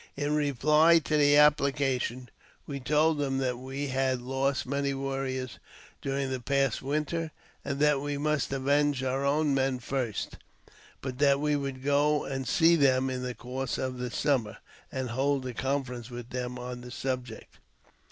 In reply to the application, we told them that we had lost many warriors during the past winter, and that we must avenge our own men first; but that we would go and see them in the course of the summer, and hold a conference with them on the subject.